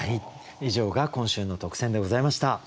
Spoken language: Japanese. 以上が今週の特選でございました。